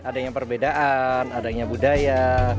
adanya perbedaan adanya budaya